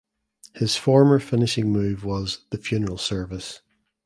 His former finishing move was the "Funeral Service".